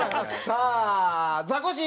さあザコシ！